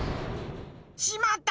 しまった！